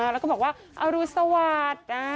แล้วก็บอกว่าอรุสวาส